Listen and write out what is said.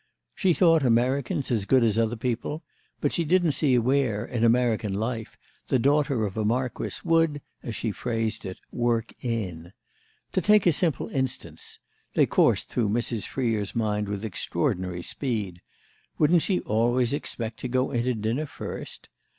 She thought Americans as good as other people, but she didn't see where, in American life, the daughter of a marquis would, as she phrased it, work in. To take a simple instance—they coursed through Mrs. Freer's mind with extraordinary speed—wouldn't she always expect to go in to dinner first?